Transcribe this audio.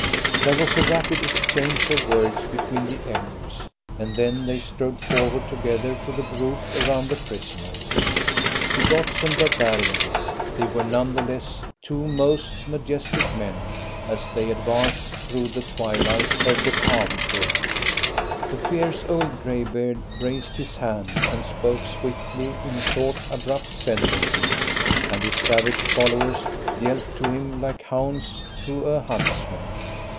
There was a rapid exchange of words between the Emirs, and then they strode forward together to the group around the prisoners. Bigots and barbarians, they were none the less two most majestic men, as they advanced through the twilight of the palm grove. The fierce old greybeard raised his hand and spoke swiftly in short, abrupt sentences, and his savage followers yelped to him like hounds to a huntsman.